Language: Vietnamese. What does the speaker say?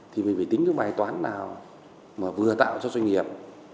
thì mình phải tính cái bài toán nào mà vừa tạo cho doanh nghiệp